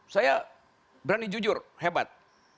saya berani jujur hebat